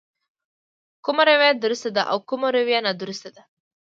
کومه رويه درسته ده او کومه رويه نادرسته.